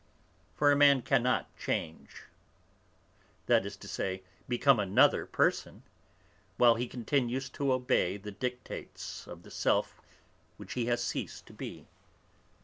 For a man cannot change, that is to say become another person, while he continues to obey the dictates of the self which he has ceased to be.